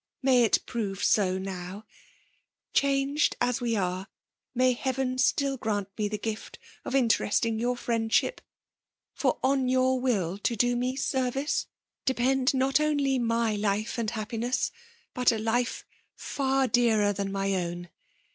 May it prove so now ! Changed as we are, may Heaven still grant me the gift of interesting your fnend* ship ; for on your will to do mc service, dc pend not only my life and happiness, but a life far dearer than my own.